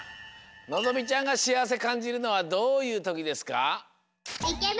のぞみちゃんがしあわせかんじるのはどういうときですか？